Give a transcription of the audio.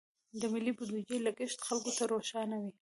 د ملي بودیجې لګښت خلکو ته روښانه وي.